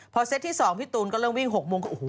พอเซตที่๒พี่ตูนก็เริ่มวิ่ง๖โมง